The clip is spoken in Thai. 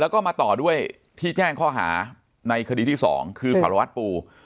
แล้วก็มาต่อด้วยที่แจ้งข้อหาในคดีที่๒คือสารวัตรปู